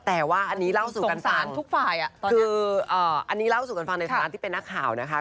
แต่ว่าอันนี้เล่าสู่กันสารทุกฝ่ายคืออันนี้เล่าสู่กันฟังในฐานะที่เป็นนักข่าวนะคะ